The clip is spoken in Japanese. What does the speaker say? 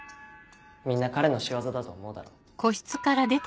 みんな彼の仕業だと思うだろう。